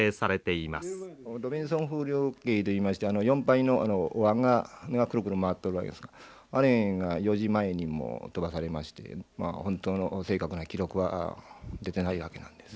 ロビンソン風力計といいまして４杯のわんがクルクル回っておるわけですがあれが４時前にも飛ばされまして本当の正確な記録は出てないわけなんです。